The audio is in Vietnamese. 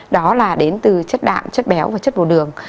đó là đến từ chất đạm chất béo và chất bồ đường